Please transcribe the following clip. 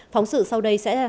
phóng sự sau đây sẽ